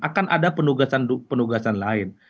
akan ada penugasan lain